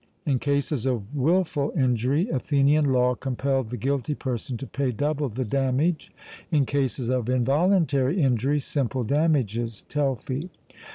In cases of wilful injury, Athenian law compelled the guilty person to pay double the damage; in cases of involuntary injury, simple damages (Telfy).